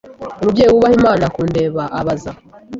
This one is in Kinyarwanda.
umubyeyi wubaha Imana - kundeba? ” abaza.